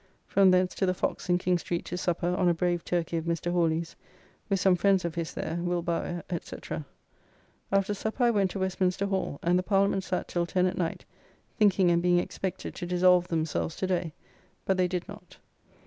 From thence to the Fox in King street to supper on a brave turkey of Mr. Hawly's, with some friends of his there, Will Bowyer, &c. After supper I went to Westminster Hall, and the Parliament sat till ten at night, thinking and being expected to dissolve themselves to day, but they did not.